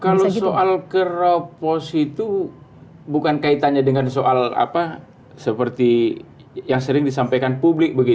kalau soal keropos itu bukan kaitannya dengan soal seperti yang sering disampaikan publik